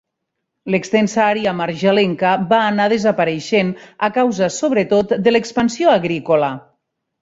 L'extensa àrea marjalenca va anar desapareixent a causa, sobretot, de l'expansió agrícola.